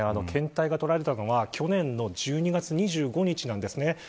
検体が採られたのは去年の１２月２５日なんですね。